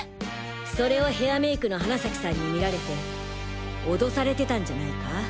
それをヘアメイクの花崎さんに見られて脅されてたんじゃないか？